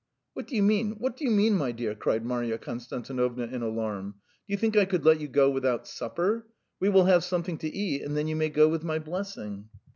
"What do you mean, what do you mean, my dear?" cried Marya Konstantinovna in alarm. "Do you think I could let you go without supper? We will have something to eat, and then you may go with my blessing."